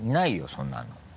そんなの。